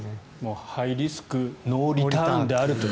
ハイリスク・ノーリターンであるという。